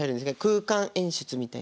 空間演出みたいな。